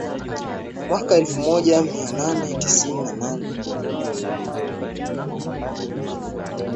mwaka elfu moja mia nane tisini na nane